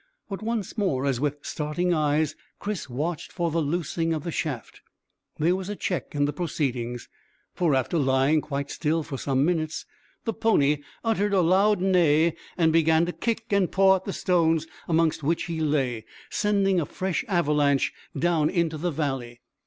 But once more, as with starting eyes Chris watched for the loosing of the shaft, there was a check in the proceedings. For, after lying quite still for some minutes, the pony uttered a loud neigh and began to kick and paw at the stones amongst which he lay, sending a fresh avalanche down into the valley.